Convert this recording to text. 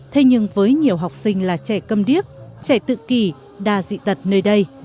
thế nhưng với nhiều học sinh là trẻ cầm điếc trẻ tự kỳ đa dị tật nơi đây